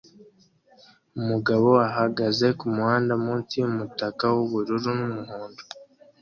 Umugabo ahagaze kumuhanda munsi yumutaka wubururu numuhondo